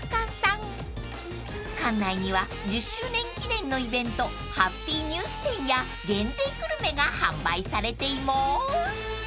［館内には１０周年記念のイベントハッピーニュース展や限定グルメが販売されています］